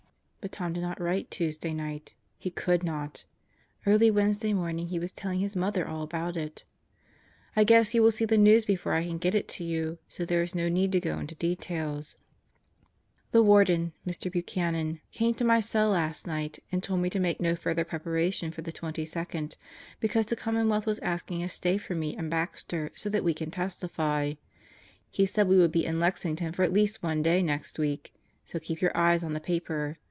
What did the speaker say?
But Tom did not write Tuesday night. He could not. Early Wednesday morning he was telling his mother all about it! I guess you will see the news before I can get it to you; so there is no need to go into details. The Warden, Mr. Buchanan, came to my cell last night and told me to make no further prepara tion for the 22nd, because the Commonwealth was asking a stay for me and Baxter so that we can testify. He said we would be in Lexington for at least one day next week, so keep your eyes on the paper.